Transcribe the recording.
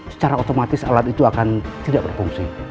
secara otomatis alat itu akan tidak berfungsi